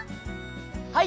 はい。